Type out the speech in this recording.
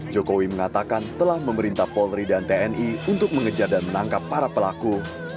jokowi mengatakan telah memerintah polri dan tni untuk mengejar dan menangkap para pelaku